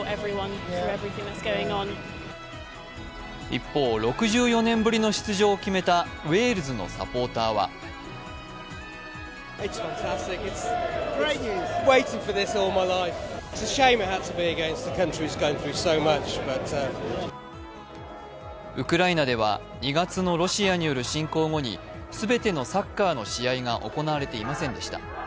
一方、６４年ぶりの出場を決めたウェールズのサポーターはウクライナでは２月のロシアによる侵攻後に全てのサッカーの試合が行われていませんでした。